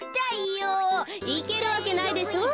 いけるわけないでしょ。